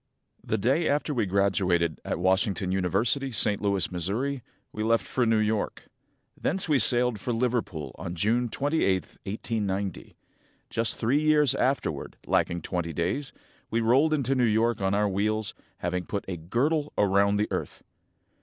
The day after we were graduated at Washington University, St. Louis, Mo., we left for New York. Thence we sailed for Liverpool on June 23, 1890. Just three years afterward, lacking twenty days, we rolled into New York on our wheels, having "put a girdle round the earth."